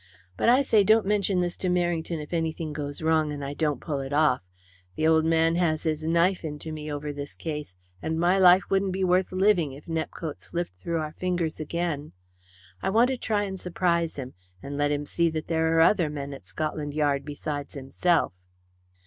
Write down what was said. But, I say, don't mention this to Merrington if anything goes wrong and I don't pull it off. The old man has his knife into me over this case, and my life wouldn't be worth living if Nepcote slipped through our fingers again. I want to try and surprise him, and let him see that there are other men at Scotland Yard besides himself."